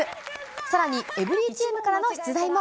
さらに、エブリィチームからの出題も。